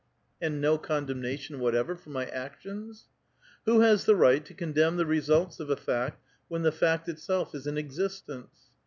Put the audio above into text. '^ And no condemnation whatever for my actions? "" Who has the right to condemn the results of a fact when the fact itself is in existence?